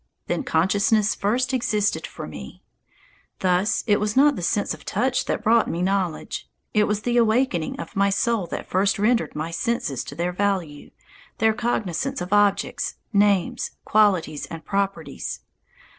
Then consciousness first existed for me. Thus it was not the sense of touch that brought me knowledge. It was the awakening of my soul that first rendered my senses their value, their cognizance of objects, names, qualities, and properties.